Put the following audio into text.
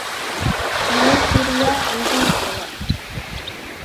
இணை பிரியா அன்றில் போல.